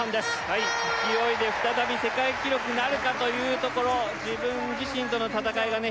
はい勢いで再び世界記録なるかというところ自分自身との戦いがね